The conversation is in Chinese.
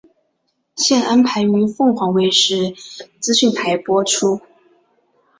现安排于凤凰卫视资讯台播出。